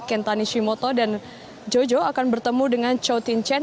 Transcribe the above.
kentani shimoto dan jojo akan bertemu dengan cho tin chen